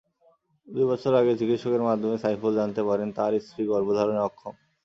দুই বছর আগে চিকিৎসকের মাধ্যমে সাইফুল জানতে পারেন তাঁর স্ত্রী গর্ভধারণে অক্ষম।